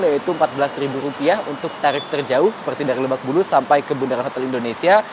yaitu rp empat belas untuk tarif terjauh seperti dari lemak bulu sampai ke bunda rata indonesia